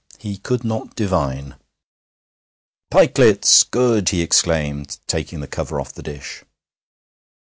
He could not divine. 'Pikelets! Good!' he exclaimed, taking the cover off the dish.